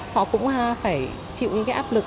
họ cũng phải chịu những cái áp lực